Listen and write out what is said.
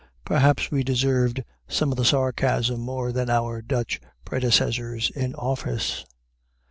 Perhaps we deserved some of the sarcasm more than our Dutch predecessors in office.